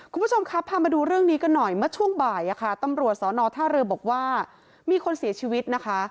คุณผู้ชมครับพามาดูเรื่องนี้กันหน่อยเมื่อช่วงบ่ายค่ะตำรวจสอนอท่าเรือบอกว่ามีคนเสียชีวิตนะคะ